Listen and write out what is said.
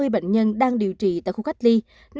bảy trăm tám mươi bệnh nhân đang điều trị tại khu cách ly